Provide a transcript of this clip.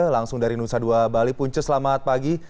langsung dari nusa dua bali punce selamat pagi